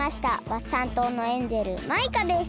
ワッサン島のエンジェルマイカです。